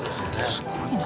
すごいな。